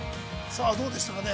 さあどうでしたかね。